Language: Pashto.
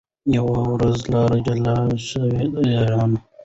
یوه ورځ لاري جلا سوې د یارانو